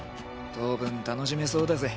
当分楽しめそうだぜ。